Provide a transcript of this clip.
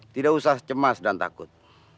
tidak usah cemas dan takut